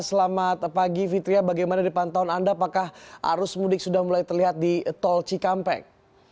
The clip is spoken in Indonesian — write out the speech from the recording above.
selamat pagi fitria bagaimana di pantauan anda apakah arus mudik sudah mulai terlihat di tol cikampek